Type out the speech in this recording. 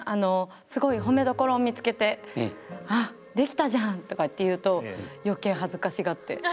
すごいほめどころを見つけて「ああできたじゃん！」とかって言うと余計恥ずかしがって。